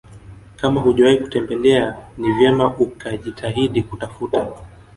kama hujawahi kutembelea ni vyema ukajitahidi kutafuta